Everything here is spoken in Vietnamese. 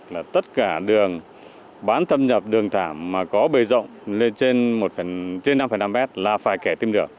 là tất cả đường bán thâm nhập đường thảm mà có bề rộng lên trên năm năm m là phải kẻ tìm được